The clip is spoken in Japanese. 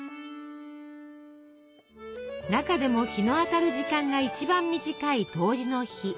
中でも日の当たる時間が一番短い「冬至」の日。